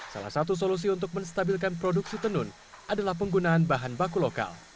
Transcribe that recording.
salah satu solusi untuk menstabilkan produksi tenun adalah penggunaan bahan baku lokal